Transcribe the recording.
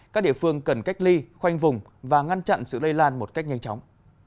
các địa phương cần cách ly khoanh vùng và ngăn chặn sự lây lan một cách nhanh chóng